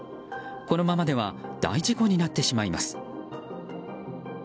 このままでは大事故になってしまいます。